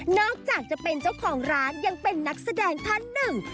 อกจากจะเป็นเจ้าของร้านยังเป็นนักแสดงท่านหนึ่ง